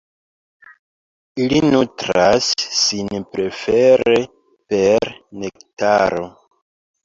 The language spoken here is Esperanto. Ili nutras sin prefere per nektaro.